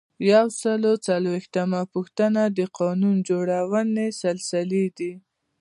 یو سل او څلویښتمه پوښتنه د قانون جوړونې سلسلې دي.